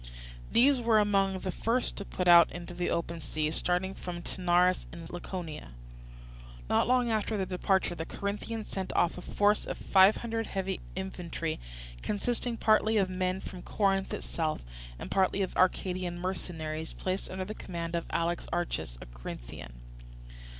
These were among the first to put out into the open sea, starting from Taenarus in Laconia. Not long after their departure the Corinthians sent off a force of five hundred heavy infantry, consisting partly of men from Corinth itself, and partly of Arcadian mercenaries, placed under the command of Alexarchus, a Corinthian.